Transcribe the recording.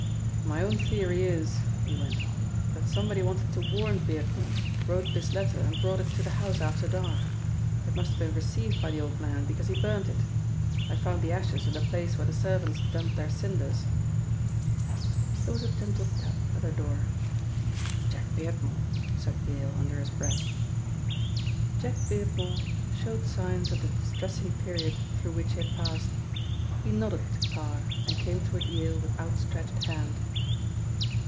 "My own theory is," he went on, "that somebody wanted to warn Beardmore, wrote this letter and brought it to the house after dark. It must have been received by the old man, because he burnt it. I found the ashes in the place where the servants dump their cinders." There was a gentle tap at the door. "Jack Beardmore," said Yale under his breath. Jack Beardmore showed signs of the distressing period through which he had passed. He nodded to Parr and came toward Yale with outstretched hand.